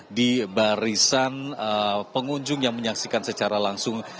ada yang duduk di barisan pengunjung yang menyaksikan secara langsung